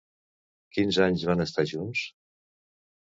Quins anys van estar junts?